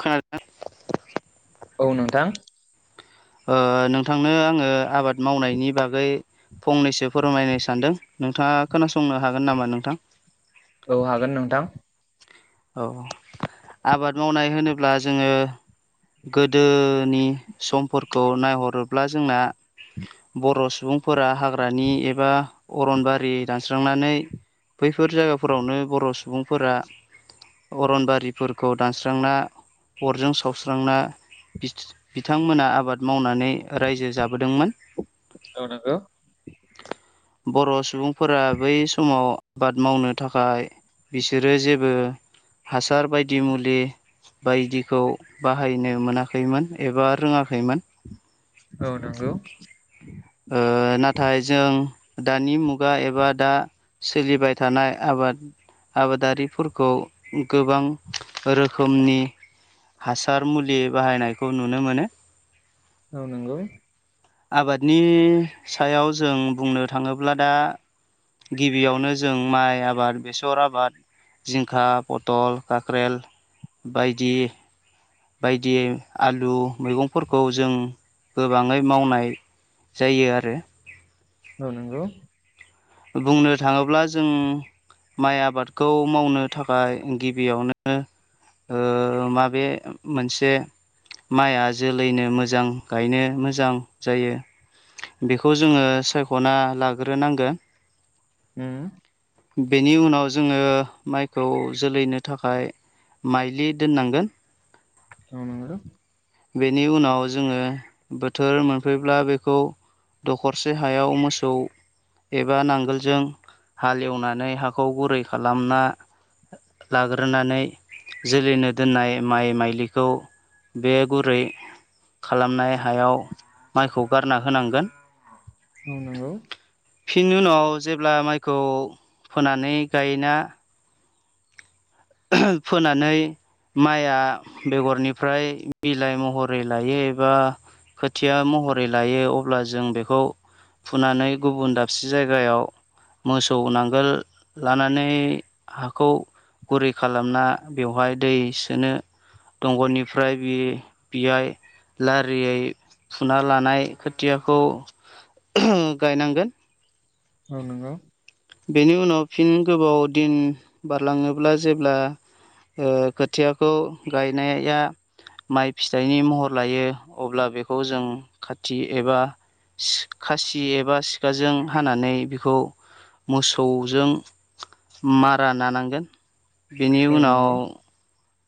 खोना औ नोंथां। ओ नोंथांनो आङो आबाद मावनायनि बागै फंनैसो फोरमायनो सानदों नोंथाङा खोनासंनो हागोन नामा नोंथां। औ हागोन नोंथां। औ औ आबाद मावनाय होनोब्ला जोङो। गोदोनि समफोरखौ नायहरोब्ला जोंना बर सुबुंफोरा हाग्रानि एबा अरनबारि दानस्रांनानै बैफोर जायगाफोरावनो बर सुबुंफोरा अरनबारिफोरखौ दानस्रांना अरजों सावस्रांना बिट बिथांमोना आबाद मावनानै रायजो जाबोदोंमोन। औ नोंगो। बर सुबुंफोरा बै समाव बाद मावनो थाखाय बिसोरो जे बो हासार बायदि मुलि बायदिखौ बाहायनो मोनाखैमोन एबा रोङाखैमोन। औ नोंगौ। ओ नाथाय जों दानि मुगा एबा दा सोलिबाय थानाय आबाद आबादारिफोरखौ गोबां रोखोमनि हासार मुलि बाहायनायखौ नुनो मोनो। औ नोंगौ। आबादनि सायाव जों बुंनो थाङोब्ला दा गिबियावनो जों माइ आबाद बेसर आबाद जिंखा पतल काक्रेल बायदि बायदि आलु मैगंफोरखौ जों गोबाङै मावनाय जायो आरो औ नोंगौ बुंनो थाङोब्ला जों माइ आबादखौ मावनो थाखाय गिबियावनो ओ माबे मोनसे माइआ जोलैनो मोजां गायनो मोजां जायो बेखौ जोङो सायख'ना लाग्रोनांगो ओम बेनि उनाव जोङो माइखौ जोलैनो थाखाय माइलि दोननांगो औ नोंगौ बेनि उनाव जोङो बोथोर मोनफैब्ला बेखौ दखरसे हायाव मोसौ ए बा नांगोलजों हालेवनानै हाखौ गुरै खालामना लाग्रोनानै जोलैनो दोननाय माइ माइलिखौ बे गुरै खालामनाय हायाव माइखौ गारना होनांगोन औ नोंगौ बिनि उनाव जेब्ला माइखौ फोनानै गायोना फोनानै माइआ बेगरनिफ्राय बिलाइ महरै लायो एबा खोथिया महरै लायो अब्ला जों बेखौ फुनानै गुबुन दाबसे जायगायाव मोसौ नांगोल लानानै हाखौ गुरै खालामना बेवहाय दै सोनो दंग'निफ्राय बे बेयाय लारियै फुना लानाय खोथियाखौ गायनांगोन औ नोंगौ बेनि उनाव फिन गोबाव दिन बारलाङोब्ला जेब्ला ओ खोथियाखौ गायनाया माइ फिथाइनि महर लायो अब्ला बेखौ जों खाथि एबा खासि एबा सिखाजों हानानै बेखौ मोसौजों मारा नानांगोन बेनि औ उनाव नंगौ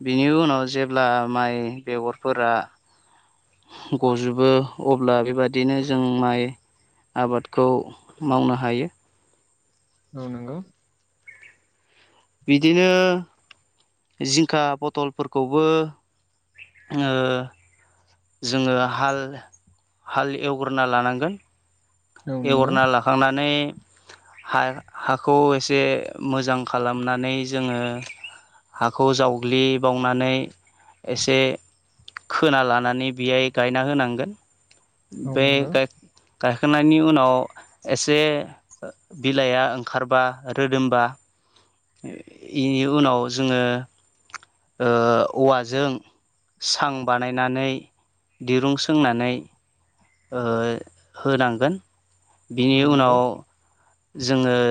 बिनि उनाव जेब्ला माइ बेगरफोरा गजोबो अब्ला बेबादिनो जों माइ आबादखौ मावनो हायो औ नोंगौ बिदिनो जिंखा बथलफोरखौबो ओ जोङो हाल हाल एवग्रोना लानांगोन औ नंगौ एवगोरना लाखांनानै बहाखौ एसे मोजां खालामनानै जोङो हाखौ जावग्लिबावनानै एसे खोना लानानै बेहाय गायना होनांगोन औ बे नंगौ गाखांनायनि उनाव एसे बिलाइआ ओंखारबा रोदोमबा इनि उनाव जोंङो ओ औवाजों सां बानायनानै दिरुं सोंनानै ओ होनांगोन बिनि औ नंगौ औ उनाव नंगौ जोंङो [inaudible]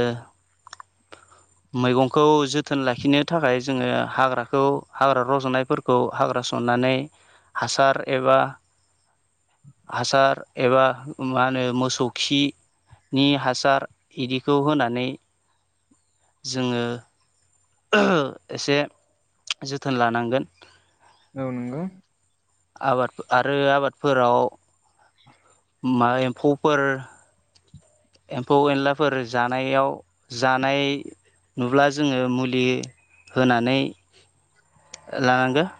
मैगंखौ जोथोन लाखिनो थाखाय जोंङो हाग्राखौ हाग्रा रजनायफोरखौ हाग्रा सननानै हासार एबा हासार एबा मा होनो मोसौ खि नि हासार बिदिखौ होनानै जोंङो ओ एसे जोथोन लानांगोन औ नंगौ आबाद आरो आबादफोराव [unintelligible] मा एम्फौफोर एम्फौ एनलाफोर जानायाव जानाय नुब्ला जोंङो मुलि होनानै लानांगोन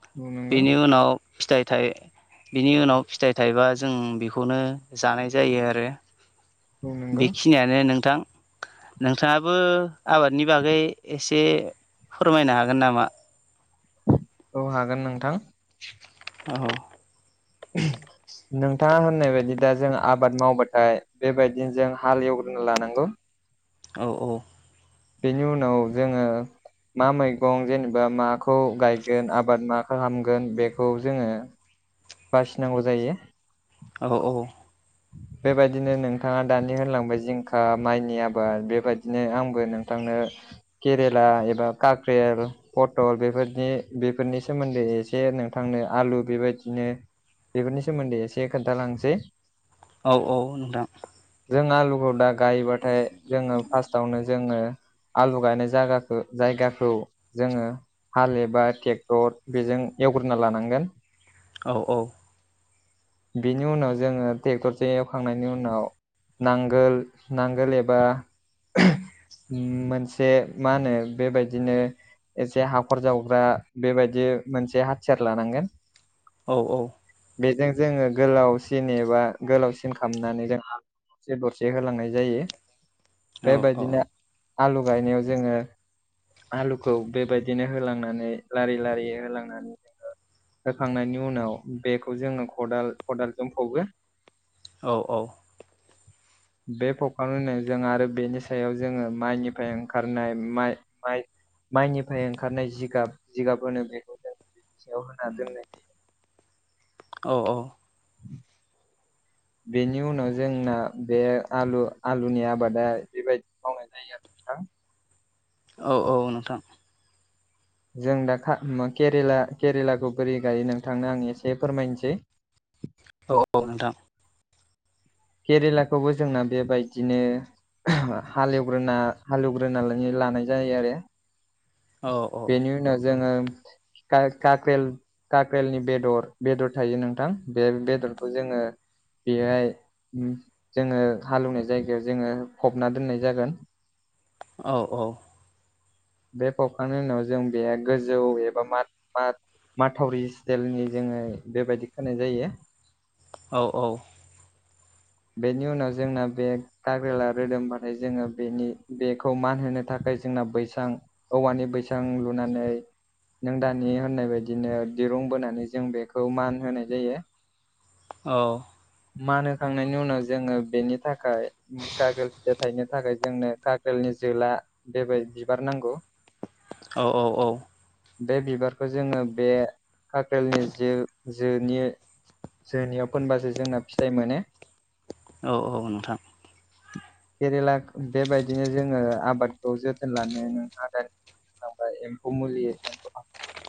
नंगौ बिनि उनाव फिथाइ थाइ बिनि उनाव फिथाइ थाइबा जों बेखौनो जानाय जायो आरो औ नंगौ बेखिनियानो नोंथां नोंथाङाबो आबादनि बागै एसे फोरमायनो हागोन नामा औ हागोन नोंथां औ नोंथाङा होननाय बायदि दा जों आबाद मावबाथाय बेबायदिनो जों हाल एवग्रोना लानांगौ औ औ बेनि उनाव जोंङो मा मैगं जेनेबा माखौ गायगोन आबाद मा खालामगोन बेखौ जोंङो बासिनांगौ जायो औ औ बेबायदिनो नोंथाङा दानि होनलांबाय जिंखा माइनि आबाद बेबायदिनो आंबो नोंथां [unintelligible] केरेला एबा काक्रेल पटल बेफोरनि बेफोरनि सोमोन्दै एसे नोंथांनो आलु बेबायदिनो बेफोरनि सोमोन्दै एसे खोन्थालांसै औ औ नोंथां जों आलुखौ दा गायोबाथाय जोंङो फार्स्टआवनो जोंङो आलु गायनाय जागाखो जायगाखौ जोंङो हाल एबा ट्रेक्टर बेजों एवग्रोना लानांगोन औ औ बेनि उनाव जोंङो ट्रेक्टरजों एवखांनायनि उनाव नांगोल नांगोल एबा ओहोम ओम मोनसे मा होनो बेबायदिनो एसे हाखर जावग्रा बेबायदि मोनसे हाथियार लानांगोन औ औ बेजों जोंङो गोलावसिन एबा गोलावसिन खालामामनानै जोंहा दरसे दरसे होलांनाय जायो बेबायदिनो आलु गायनायाव जोंङो। आलुखौ बेबायदिनो होलांनानै लारि लारि होलांनानै जोंङो होखांनायनि उनाव बेखौ जोंङो खदाल खदाल जों फबगोन। औ औ। बे फबखांनायनि उनाव आरो बेनि सायाव जोंङो माइनिफ्राय ओंखारनायाइ माइ माइनिफ्राय ओंखारनाय जिगाब जिगाब होनो बेखौ जों थियाव होना दोननायनि औ औ। बेनि उनाव जोंना बे आलु आलुनि आबादा बेबायदि मावनाय जायो आरो थां। औ औ नोंथां। जों दा खा मो केरेला केरेलाखौ बोरै गायो नोंथांनो आं एसे फोरमायनोसै। औ औ नोंथां। केरेलाखौबो जोंना बेबायदिनो हालेवग्रोना हालेवग्रोनानै लै लानाय जायो आरो। बेनि उनाव जोङो का काक्रेल काक्रेलनि बेदर बेदर थायो नोंथां बे बेदरखौ जों ओ बेहाय उम जोङो हालौवनाय जायगायाव जोङो फबना दोननाय जागोन। औ औ। बे फबखांनायनि उनाव जों बे गोजौ एबा मा मा माथावरि स्टाइलनि जोङो बेबायदि खोनाय जायो। औ औ। बेनि उनाव जोंना बे गाग्रेला रोदोमबाथाय जोङो बेनि बेखौ मान होनो थाखाय जोंना बैसां औवानि बैसां लुनानै नों दानि होननाय बायदिनो दिरुं बोनानै जों बेखौ मान होनाय जायो। औ। मान होखांनायनि उनाव जोङो बेनि थाखाय कागोल फिथाइ थायनो थाखाय जोंनो काजोलनि जोला बेबाय बिबार नांगौ औ औ औ। बे बिबारखौ जोङो बे काख्रेलनि जो जोनि जोनियाव फोनबासो जोंना फिथाइ मोनो। औ औ नोंथां। केरेला बेबायदिनो जोङो आबादखौ जोथोन लानो नों हादों आमफाय एम्फौ मुलि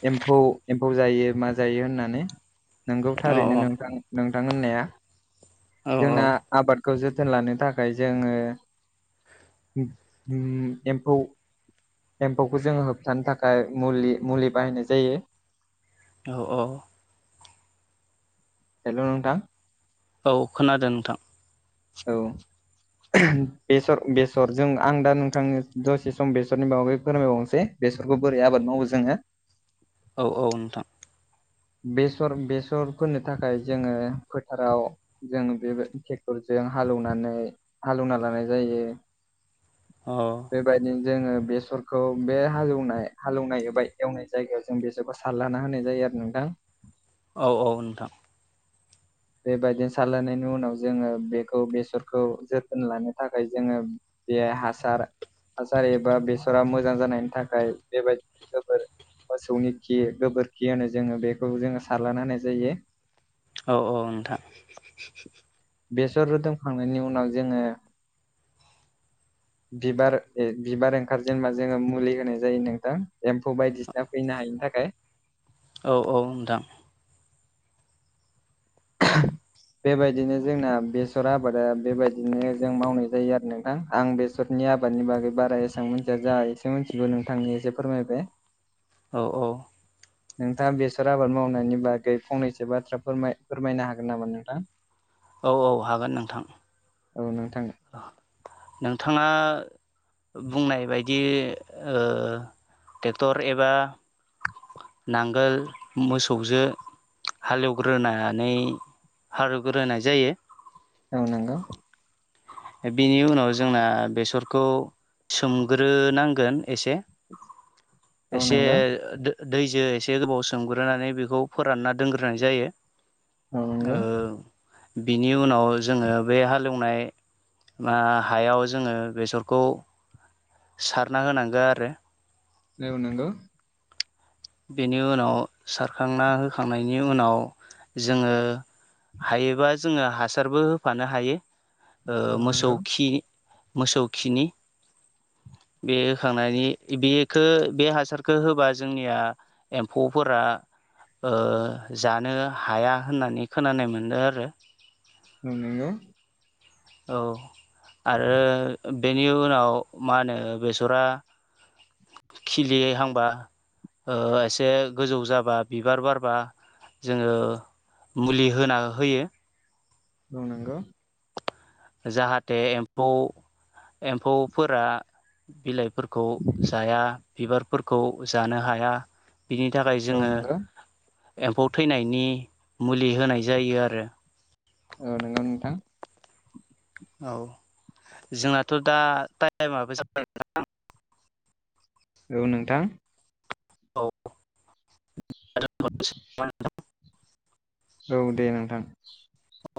एम्फौ एम्फौ जायो मा जायो होननानै नोंगौ थारैनो नोंथां नोंथां होननाया जोंना औ आबाद खौ जोथोन लानो थाखाय जोङो उम एम्फौ एम्फौखौ जोङो होबथानो थाखाय मुलि मुलि बाहायनाय जायो। औ औ। हेलौ नोंथां औ खोनादों नोंथां औ बेसर बेसर जों आं दा नोंथांनि दसे सम बेसरनि बागैै फोरमायबावनोसै। बेसरखौ बोरै आबाद मावो जोङो। औ औ नोंथां। बेसर बेसर फोनो थाखाय जोङो फोथाराव जों बे ट्रेक्टर जों हालनानै हालेवना लानाय जायो औ। बेबायदिनो जोङो बेसरखौ बे हालेवनाय हालेवनाय एबा एवनाय जायगायाव जों बेसरखौ सारलाना होनाय जायो। नोंथा। औ औ नोंथां बेबायदिनो सारलायनायनि उनाव जोङो बेखौ बेसरखौ जोथोन लानो थाखाय जोङो बेहाय हासार हासार एबा बेसरा मोजां जानायनि थाखाय बेबायदिनो गोबोर मोसौनि खि गोबोरखि होनो जोङो बेखौ जोङो सारलना होनाय जायो। औ औ नोंथां बेसर रोदोमखांनायनि उनाव जोङो [inaudible] बिबार ए बिबार ओंखार जेनबा जोङो मुलि होनाय जायो नोंथां एम्फौ बायदिसिना फैनो हायि थाखाय औ औ नोंथां [inaudible] बेबायदिनो जोंना बेसर आबादा बेबायदिनो जों मावनाय जायो आरो नोंथां आं बेसर नि आबादनि बागै बारा एसेबां मोनथिया जा एसे मिथिगौ नोंथांनि एसे फोरमायबाय औ औ नोंथाङा बेसर आबाद मावनायनि बागै फंनैसो बाथ्रा फोरमाय फोरमायनो हागोन नामा नोंथां? औ औ हागोन नोंथां औ नोंथां नोंथाङा बुंनाय बायदि ओ ट्रेक्टर एबा नांगोल मोसौजो हालेवग्रोनानै हालवग्रोनाय जायो औ नंगौ बिनि उनाव जोंना बेसरखौ सोमग्रोनांगोन एसे औ एसे नंगौ दैजो एसे गोबाव सोमग्रोनानै बेखौ फोरानना दोनग्रोनाय जायो अ ओ नंगौ बिनि उनाव जोङो बे हालेवनाय बा हायाव जोङो बेसरखौ सारना होनांगौ आरो औ नंगौ बेनि उनाव सारखांना होखांनायनि उनाव जोङो हायोबा जोङो हासारबो होफानो हायो ओ औ मोसौ नंगौ खि मोसौ खिनि बे होखांनायनि बेखो बे हासारखौ होबा जोंनिया एम्फौफोरा जानो हाया होननानै खोनानाय मोनो आरो नंगौ औ आरो बेनि उनाव मा होनो बेसरा खिलियै हांबा ओ एसे गोजौ जाबा बिबार बारबा जोङो मुलि होना होयो ओं नंगौ जाहाथे एम्फौ एम्फौफोरा बिलाइ फोरखौ जाया बिबारफोरखौ जानो हाया बिनि थाखाय औ जोङो नंगौ एम्फौ थैनायनि मुलि होनाय जायो आरो औ नोंगौ नोंथां औ जोंनाथ' दा टाइमाबो जाबाय नोंथां औ नोंथां औ दोनथ'नोसै [inaudible] औ दे नोंथां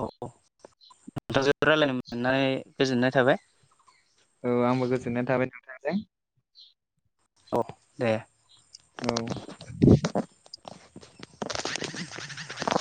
औ नोंथांजों रायज्लायनो मोननानै गोजोननाय थाबाय औ आंबो गोजोननाय थाबाय नोंथांजों अ दे औ। [inaudible]